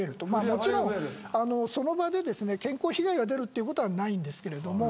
もちろんその場で健康被害が出ることはないんですけれども。